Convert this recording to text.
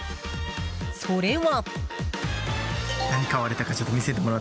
それは。